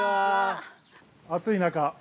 ◆暑い中。